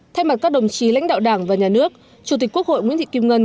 thay mặt các đồng chí lãnh đạo đảng và nhà nước chủ tịch quốc hội nguyễn thị kim ngân